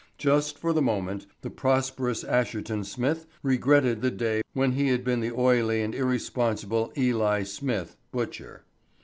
Just for the moment the prosperous Asherton Smith regretted the day when he had been the oily and irresponsible Eli Smith, butcher.